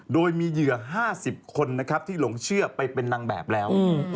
โดยมีเหยื่อ๕๐คนนะครับที่หลงเชื่อไปเป็นนางแบบแล้ว